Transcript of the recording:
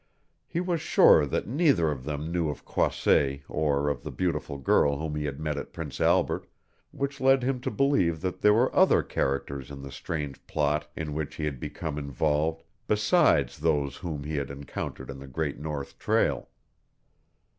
He was sure that neither of them knew of Croisset or of the beautiful girl whom he had met at Prince Albert, which led him to believe that there were other characters in the strange plot in which he had become involved besides those whom he had encountered on the Great North Trail.